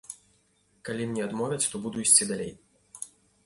Калі мне адмовяць, то буду ісці далей.